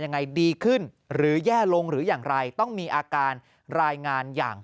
ยังไงดีขึ้นหรือแย่ลงหรืออย่างไรต้องมีอาการรายงานอย่าง